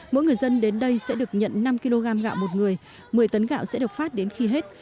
mỗi người dân đến đây sẽ được nhận năm kg gạo một người một mươi tấn gạo sẽ được phát đến khi hết